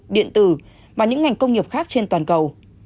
điện tử và những ngành công nghiệp khác trên toàn cầu